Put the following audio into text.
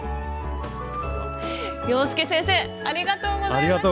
洋輔先生ありがとうございました。